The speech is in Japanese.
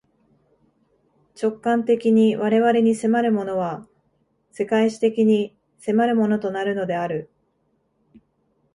直観的に我々に迫るものは、世界史的に迫るものとなるのである。